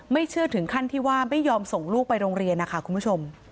เชื่อถึงขั้นที่ว่าไม่ยอมส่งลูกไปโรงเรียนนะคะคุณผู้ชม